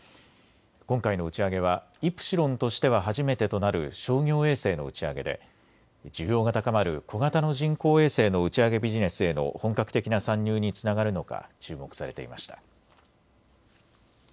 今回の打ち上げはイプシロンとしては初めてとなる商業衛星の打ち上げで需要が高まる小型の人工衛星の打ち上げビジネスへの本格的な参入につながるのか注目されていました。